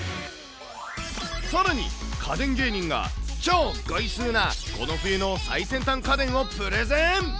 さらに、家電芸人が超ゴイスーなこの冬の最先端家電をプレゼン。